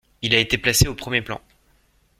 Il a été placé au premier plan.